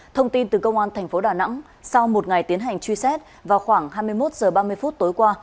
thông tin từ công an thành phố đà nẵng sau một ngày tiến hành truy xét vào khoảng hai mươi một h ba mươi phút tối qua